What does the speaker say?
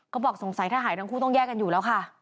บอกสงสัยถ้าหายทั้งคู่ต้องแยกกันอยู่แล้วค่ะ